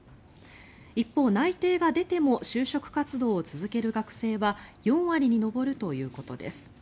一方、内定が出ても就職活動を続ける学生は４割に上るということです。